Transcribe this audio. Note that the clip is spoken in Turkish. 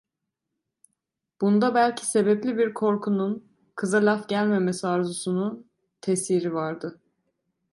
Bunda belki sebepli bir korkunun, kıza laf gelmemesi arzusunun tesiri vardı.